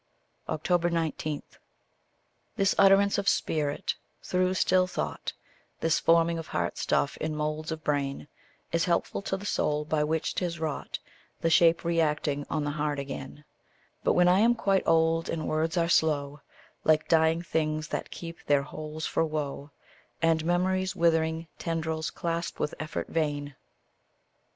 19. This utterance of spirit through still thought, This forming of heart stuff in moulds of brain, Is helpful to the soul by which 'tis wrought, The shape reacting on the heart again; But when I am quite old, and words are slow, Like dying things that keep their holes for woe, And memory's withering tendrils clasp with effort vain?